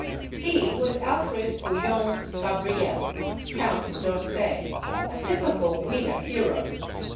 He was Alfred Guillaume Gabriel, Count d'Orsay, a typical Ouida hero.